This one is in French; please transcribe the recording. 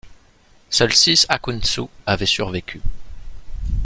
Seuls six Akuntsu avaient survécu.